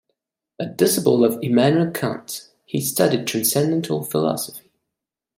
A disciple of Immanuel Kant, he studied transcendental philosophy.